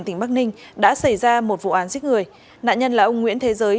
tỉnh bắc ninh đã xảy ra một vụ án giết người nạn nhân là ông nguyễn thế giới